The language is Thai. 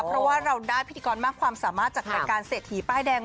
เพราะว่าเราได้พิธีกรมากความสามารถจากรายการเศรษฐีป้ายแดง